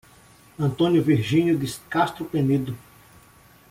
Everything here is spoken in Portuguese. Antônio Virginio de Castro Penedo